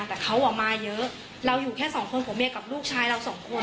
แต่เขาออกมาเยอะเราอยู่แค่สองคนผัวเมียกับลูกชายเราสองคน